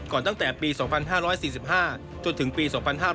ตั้งแต่ปี๒๕๔๕จนถึงปี๒๕๕๙